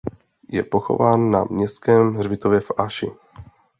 Je pochován na městském hřbitově v Aši.